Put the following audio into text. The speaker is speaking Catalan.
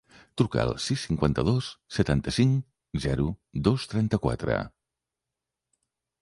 Truca al sis, cinquanta-dos, setanta-cinc, zero, dos, trenta-quatre.